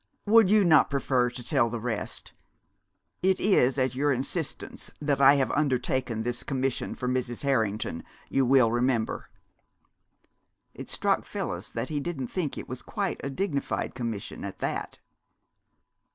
"Would you not prefer to tell the rest? It is at your instance that I have undertaken this commission for Mrs. Harrington, you will remember." It struck Phyllis that he didn't think it was quite a dignified commission, at that.